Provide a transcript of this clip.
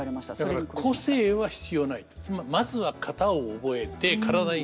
だから個性は必要ないと。